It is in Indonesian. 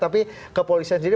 tapi kepolisian sendiri